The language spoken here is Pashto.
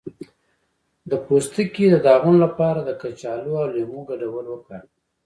د پوستکي د داغونو لپاره د کچالو او لیمو ګډول وکاروئ